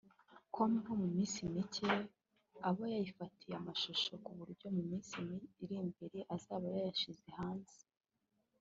com ko mu minsi mike aba yayifatiye amashusho ku buryo mu minsi iri imbere azaba yayashyize hanze